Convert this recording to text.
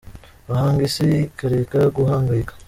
Bahanga Isi ikareka guhangayika